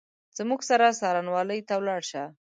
زموږ سره څارنوالۍ ته ولاړ شه !